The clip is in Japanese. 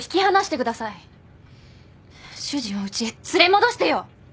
主人をうちへ連れ戻してよ！